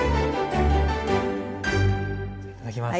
いただきます！